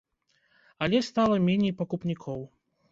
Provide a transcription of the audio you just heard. Але стала меней пакупнікоў.